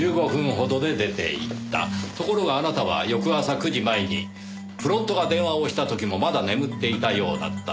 ところがあなたは翌朝９時前にフロントが電話をした時もまだ眠っていたようだったと。